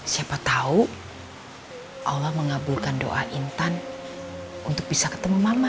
siapa tahu allah mengabulkan doa intan untuk bisa ketemu mama